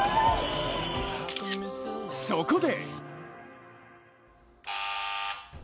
そこで！